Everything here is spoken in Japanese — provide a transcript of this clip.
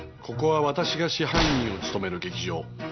ここは私が支配人を務める劇場。